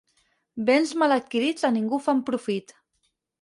Béns mal adquirits a ningú fan profit.